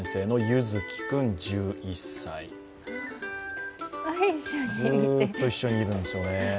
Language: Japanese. ずっと一緒にいるんですよね。